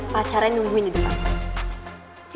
pacarnya nungguin di depan